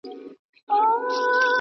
د بېوزلانو په خوله سوې خاوري ,